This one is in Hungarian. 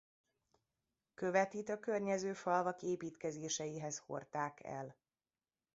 Követit a környező falvak építkezéseihez hordták el.